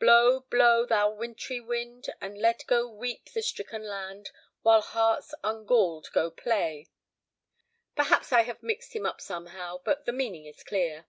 Blow, blow, thou wintry wind; And let go weep the stricken land, While harts ungalled go play. Perhaps I have mixed him up somehow; but the meaning is clear."